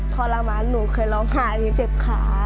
ทรมานหนูเคยลองหาอย่างนี้เจ็บขา